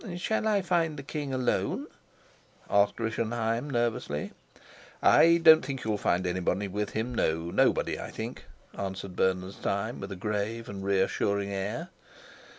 "Shall I find the king alone?" asked Rischenheim nervously. "I don't think you'll find anybody with him; no, nobody, I think," answered Bernenstein, with a grave and reassuring air.